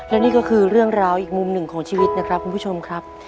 และนี่ก็คือเรื่องราวอีกมุมหนึ่งของชีวิตนะครับคุณผู้ชมครับ